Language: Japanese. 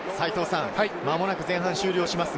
間もなく前半終了です。